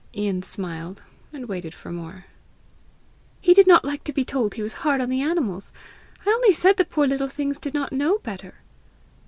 Ian smiled, and waited for more. "He did not like to be told he was hard on the animals. I only said the poor things did not know better!"